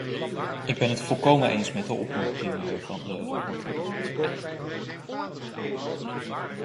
Ik ben het volkomen eens met de opmerkingen van de rapporteur.